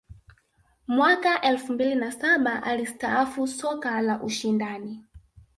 mwaka elfu mbili na saba alistaafu soka la ushindani